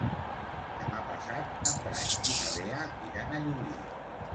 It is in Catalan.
Demà passat en Drac i na Lea iran a Llubí.